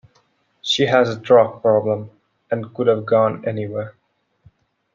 She has a drug problem, and could have gone anywhere.